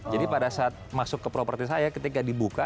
jadi pada saat masuk ke properti saya ketika dibuka